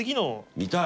見たい！